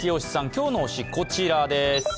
今日の推し、こちらです。